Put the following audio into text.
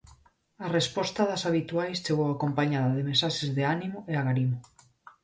A resposta das habituais chegou acompañada de mensaxes de ánimo e agarimo.